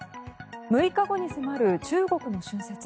６日後に迫る中国の春節。